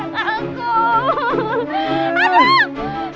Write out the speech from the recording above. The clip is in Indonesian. kau kaget banget